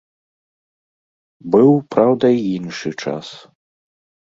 Быў, праўда, і іншы час.